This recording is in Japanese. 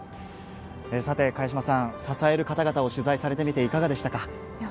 茅島さん、支える方々を取材されてみていかがでしたか？